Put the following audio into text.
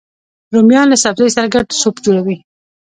رومیان له سبزیو سره ګډ سوپ جوړوي